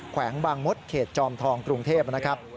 แขวงบางมดเขตจอมทองกรุงเทพนะครับ